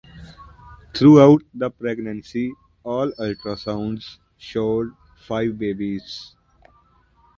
Throughout the pregnancy, all ultrasounds showed five babies.